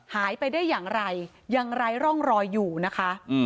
หายไปได้อย่างไรยังไร้ร่องรอยอยู่นะคะ